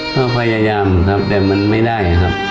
ก็พยายามครับแต่มันไม่ได้ครับ